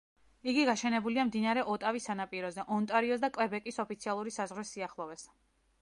იგი გაშენებულია მდინარე ოტავის სანაპიროზე, ონტარიოს და კვებეკის ოფიციალური საზღვრის სიახლოვეს.